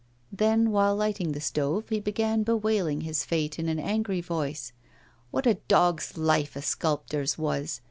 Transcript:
Then, while lighting the stove, he began bewailing his fate in an angry voice. What a dog's life a sculptor's was!